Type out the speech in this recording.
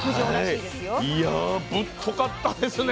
いやぶっとかったですね